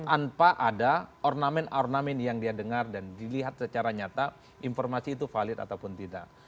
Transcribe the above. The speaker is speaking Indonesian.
tanpa ada ornamen ornamen yang dia dengar dan dilihat secara nyata informasi itu valid ataupun tidak